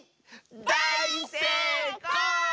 だいせいこう！